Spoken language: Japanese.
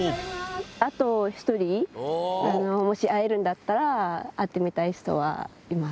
あと１人、もし会えるんだったら、会ってみたい人はいます。